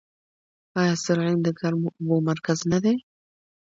آیا سرعین د ګرمو اوبو مرکز نه دی؟